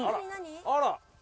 あら。